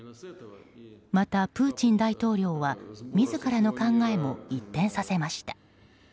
またプーチン大統領は自らの考えも一転させました。